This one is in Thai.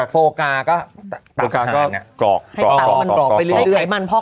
โฟกาก็ตับหัน